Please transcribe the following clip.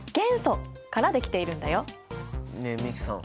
ねえ美樹さん